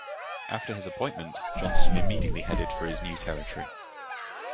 After his appointment, Johnston immediately headed for his new territory.